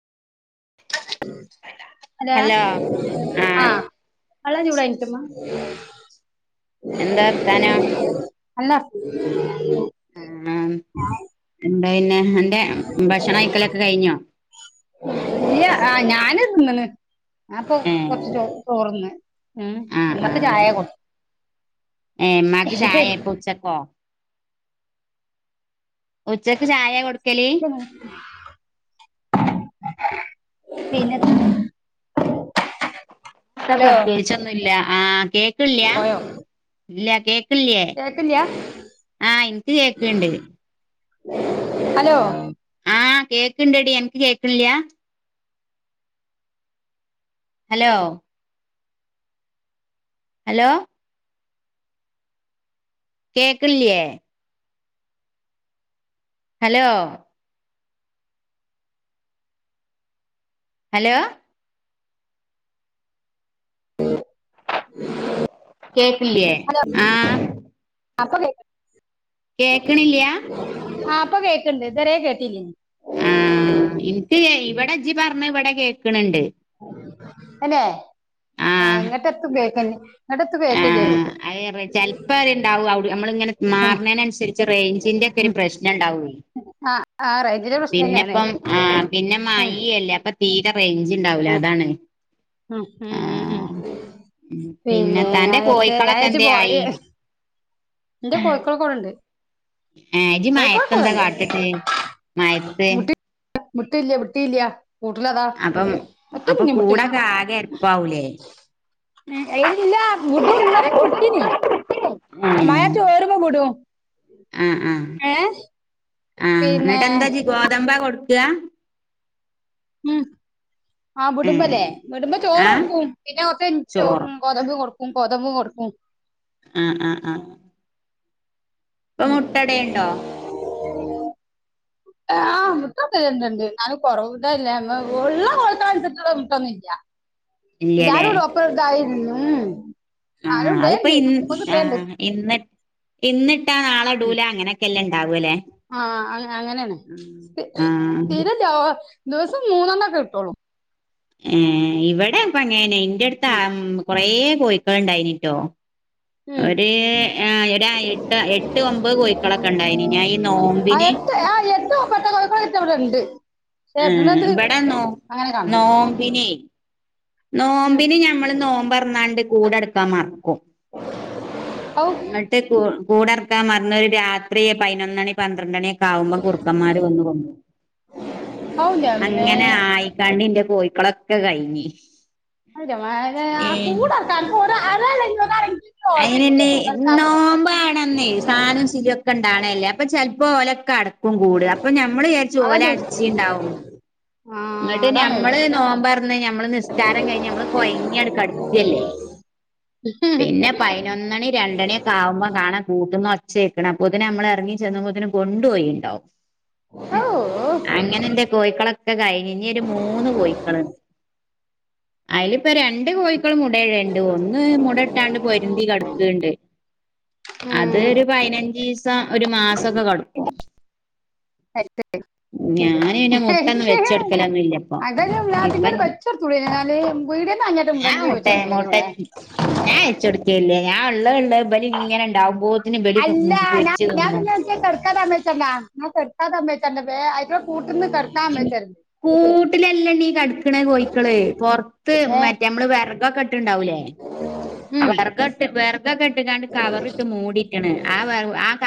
Hello ആ ആഹ് വെള്ളം ചൂടായിട്ടുണ്ടോ ഉമ്മ എന്താ വർത്താനം അല്ല ആ എന്താ പിന്നെ അന്റെ ഭക്ഷണം കഴിക്കലൊക്കെ കഴിഞ്ഞോ ഇല്ല ആ ഞാന് തിന്ന്ണ് ആപ്പൊ ഏഹ് കൊറച്ചു ചോ ചോറന്ന് ഉമ്മക്ക് ചായയ കൊടു ഏ്മാക്ക് ചായ ഇപ്പൊ ഉച്ചക്കോ ഉച്ചക്ക് ചായ കൊടുക്ക പിന്നെ എന്താ ഇല്ല പ്രത്യേകിച്ചൊന്നും ഇല്ല ആ കേക്ക് ഇല്ല പോയോ ഇല്ല കേക്ക് ല്ലേ കേക്കില്ല ആ എനിക്ക് കേക്കണ്ട് ഹലോ ആ കേക്കണ്ടടി എനിക്ക് കേൾക്കില്ലാ ഹലോ ഹലോ കേൾക്ക്ല്ലേ ഹലോ ഹലോ [inaudible] ഹലോ കേക്കിലേആ [unintelligible] കേക്കണില്യാ ഇപ്പ കേക്കണ്ട് ഇതേ രെകേട്ടില്ലായി നി ആ ഇനിക്ക് ഇവിടെ ഇജ്ജ്‌പറഞ്ഞെ ഇവിടെ കേക്ക്ണ്ണ്ണ്ട് അന്നെ ഏ ആഹ് ഇങ്ങോട്ട എത്തുംകേക്ക ഇങ്ങോട്ട എത്ത കേക്കലേ [unintelligible] ചെലപ്പോ ത്ണ്ടാവും അവി നമ്മള ഇങ്ങനെ ആഹ് മാറണതിനന്നുസരിച്ച് റേഞ്ചിന്റെ ഒക്കെ ഒരു ഉം പ്രശ്നം ഉണ്ടാവൂേ ആഹ് ആഹ് റേഞ്ചിന്റെ പ്രശ്നന്നേണ് പിന്നെപ്പം ആ പിന്നെ ഉം മഴയല്ലേ അപ്പൊ തീരെ റേഞ്ച് ഉണ്ടാവലോ അതാണ് മ്മ് മ്മ് മ്മ് ആഹ് പിന്നെ [unintelligible] തന്റെ കോഴിക്കളൊക്കെ എന്തേ ആയി ആയാഴ്ചപോര് ഇന്റെ കോയിക്കളൊക്കെ ടെണ്ട് ആ ഇജി മയത്തെ എന്താ കാട്ടിട്ട് മയത്ത് വുട്ടില്ല വുട്ടിയില്ല കൂട്ടിലതാ അപ്പം ഒറ്റ അപ്പൊ ന്നിനിം വുട്ടില്ല കൂടൊക്കെ ആകെ എരപ്പാവൂലേ അയില്ല വുടും ഇന്നലെക്കൊ വുട്ടിനി ഏഹ് മയ ചോരു ബാ വിടും ആ ആഹ ഏ പിന്നെ എന്നിട്ട് എന്താ ഗോതമ്പ കൊടുക്കാ ഉം ആഹ ഏ വിടുമ്പല്ലേ വിടുമ്പ ചോറ് ആ കൊറക്കും പിന്നെ കൊറച ചോറ് യിഞ്ഞ്ഗോതമ്പും കൊ കൊതമ്പും കൊടുക്കും ആഹ ആഹ ആഹ ഇപ്പൊ ഉം മുട്ട ടെയുണ്ടോ [inaudible] [unintelligible] ഇല്ലല്ലേ [unintelligible] ആ ആരും അതിപ്പോ ഇടേണ്ട് ഇ ഇപ്പൊ ആ കിട്ടേണ്ട് ഇന്നിട്ടാ നാളെ ഡൂല അങ്ങനെക്കെ ല്ലേ ആഹ അ അങ്ങനെയന്നെ ആ [unintelligible] ദിവസം മൂന്നെണ്ണം ക്കെ കിട്ടോളൂ ഏ ഇവിടെ ഇപ്പ [unintelligible] ഇന്റടുത്ത് ഉം കൊറ കോയിക്കളക ൾ ഉണ്ടായിന്നിട്ടോ ഉം ഒരു ഏ എട്ട് എട്ടൊമ്പത്‌ കോഴിക്കളൊക്കെ ഉണ്ടായിന് ഞാനി ഈ ആ നോമ്പിന [unintelligible] എട്ട് [unintelligible] ഏ എട്ടണത് എവിടെ നോ അങ്ങനെ കാണും നോമ്പിനി ഉം. നോമ്പിന് ഞമ്മള് നോമ്പറന്നാണ്ട് കൂടെടുക്കാൻ മറക്കും [inaudible] എന്നിട്ട് കൂടടക്കാൻ മറന്നാരു രാത്രിപതിനൊന്നണി പന്ത്രണ്ട് മണി ക്കൊ ആകുമ്പൊകുറുക്കന്മാര് വന്ന് ഔ രമേ കൊണ്ടോകുംഅങ്ങനെ ആയിക്കാണ്ടിന്റെ കോയിക്കളൊക്കെ കഴിഞ്ഞി [unintelligible] ഓർമ്മയില്ലേ അയിനന്നെ ഓർക്കാം നോമ്പ ആണെന്നേ സാനും സിലുംയൊക്കെ ഉണ്ടാണല്ലേ അപ്പൊ ചെലപ്പോ ഓലെ പ്പും കൂടുംഅപ്പൊ മ്മള്ജാരിച്ചും അതാ ഓല് ചോദിച്ചു അടച്ചിണ്ടാവുംന്ന് ആ അങ്ങിട്ട് അതാണ് ഞമ്മള് നോമ്പറന്ന് ഞമ്മള് നിസ്കാരം കഴിഞ്ഞ് ഞമ്മള് കൊയങ്ങി ആക്കടുക്കല്ലേ പിന്നെ പതിനൊന്നണി രണ്ടണിയ ഒക്കെ ആവുമ്പോ കാണാൻ കൂട്ടുന്ന ഒ ചേ ക്ണ് അപ്പൊതിനെ നമ്മൾ ഇറങ്ങി ചെന്നുബോതിന് കൊണ്ടൊയിണ്ടാകും [unintelligible] കോഴിക്കളൊക്കെ കഴിഞ്ഞ് ഞ്ഞി ഒരു മൂന്ന് കോഴിക്കളുണ്ട് അയില്ഇപ്പ രണ്ട് കോഴി [unintelligible] പൊരുന്തി കടക്ണ്ട് അത് ഉം. ഒരു പയിനഞ്ചി സം ഒരു മാസം [unintelligible] കടുക്കും അ പിന്നെ മുട്ടൊന്നും വെച്ചെടുക്കലൊന്നും ഇല്ല ഇപ്പൊ അത ഇപ്പൊ പിത് വച്ചടുത്തുള്ള എന്നാല പോയി ഇന്നെ അിട്ട് ഞാൻ ഉണ്ടങ്കി വെച്ച എടുത്തോളന ഇവിടെ [unintelligible] ടുക്കല്ല ഞാ ഉള്ള ഇബല് ഇങ്ങനെ ഉണ്ടാവുമ്പോത്തിന് ഇബല് അല്ലഞ പൊരിച്ച് ഞാൻ തിന്നും പിന്ന കക്കാമ്മേച്ചന്ന ഞാ കക്കാമ്മ [unintelligible] കണ്ട കൂ [unintelligible] കൂട്ടിലല്ലാംണീ കടുക്കണ കോഴക്കള് പു റത്ത് ഏഹ് മറ്റേ നമ്മള് വ ണ്ടാവൂലേ ഉം വെർ ഇട്ട് വെർഗൊക്കെ ഇട്ട കണ്ട് കവറിട്ട് മൂടിട്ടണ് ആ ആ